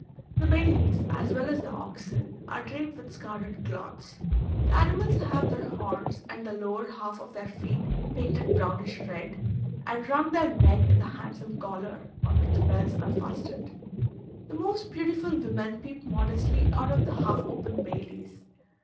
The bailis, as well as the oxen, are draped with scarlet cloths: the animals have their horns and the lower half of their feet painted brownish red, and round their neck is a handsome collar, on which bells are fastened. The most beautiful women peep modestly out of the half open bailis.